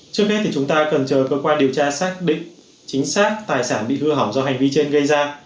trước hết thì chúng ta cần chờ cơ quan điều tra xác định chính xác tài sản bị hư hỏng do hành vi trên gây ra